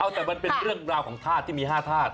เอ้าแต่ว่าเป็นเรื่องราวของทาสที่มี๕ทาส